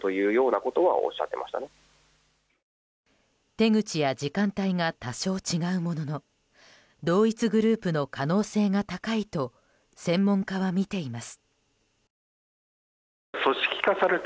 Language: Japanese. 手口や時間帯が多少違うものの同一グループの可能性が高いと専門家はみています。